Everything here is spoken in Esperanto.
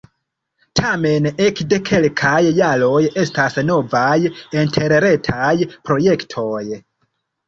Tamen, ekde kelkaj jaroj estas novaj interretaj projektoj.